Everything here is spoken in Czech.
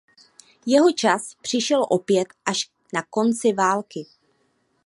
Jeho čas přišel opět až na konci války.